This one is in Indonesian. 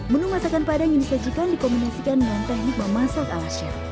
menu masakan padang yang disajikan dikombinasikan dengan teknik memasak ala chef